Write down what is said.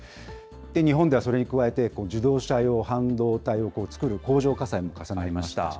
日本ではそれに加えて、自動車用半導体を作る工場火災も重なりました。